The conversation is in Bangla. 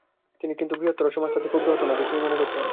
কিন্তু বৃহত্তর সমাজ তাতে ক্ষুব্ধ হত না, কিছু মনেই করত না।